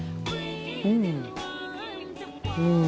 うん！